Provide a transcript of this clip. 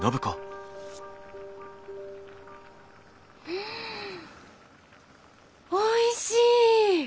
うんおいしい！